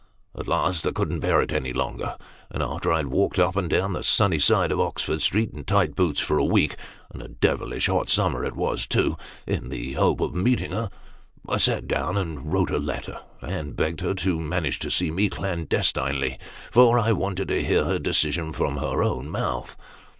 At last I couldn't bear it any longer, and after I had walked up and down the sunny side of Oxford Street in tight boots for a week and a devilish hot summer it was too in the hope of meeting her, I sat down and wrote a letter, and begged her to manage to see me clandestinely, for I wanted to hear her decision from her own mouth.